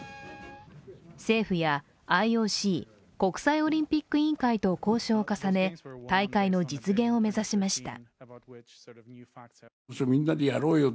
政府やＩＯＣ＝国際オリンピック委員会と交渉を重ね、大会の実現を目指しました。